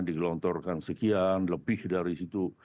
digelontorkan sekian lebih dari situ